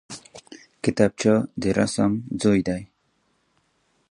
کتابچه د رسم ځای دی